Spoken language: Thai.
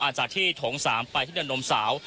อ่าจากที่ถงสามไปที่เนินลมสาว